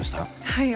はい。